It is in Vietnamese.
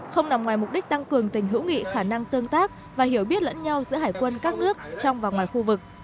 không nằm ngoài mục đích tăng cường tình hữu nghị khả năng tương tác và hiểu biết lẫn nhau giữa hải quân các nước trong và ngoài khu vực